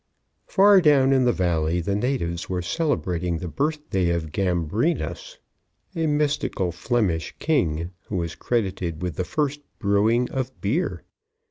Far down in the valley the natives were celebrating the birthday of Gambrinus, a mythical Flemish king who is credited with the first brewing of beer.